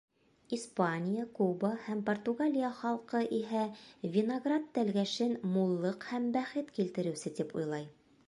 - Испания, Куба һәм Португалия халҡы иһә виноград тәлгәшен муллыҡ һәм бәхет килтереүсе тип уйлай.